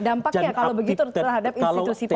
dampaknya kalau begitu terhadap institusi polri